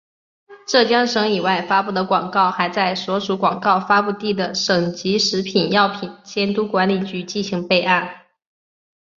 浙江省以外发布的广告还在所属广告发布地的省级食品药品监督管理局进行备案。